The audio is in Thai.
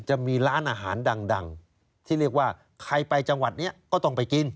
จะมีร้านอาหารดังที่เรียกว่าใครไปจังหวัดนี้ก็ต้องไปกิน